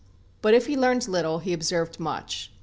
But if he learned little, he observed much.